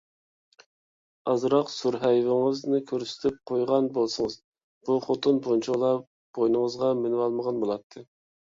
ئازراق سۈر-ھەيۋىڭىزنى كۆرسىتىپ قويغان بولسىڭىز، بۇ خوتۇن بۇنچىۋالا بوينىڭىزغا مىنىۋالمىغان بولاتتى.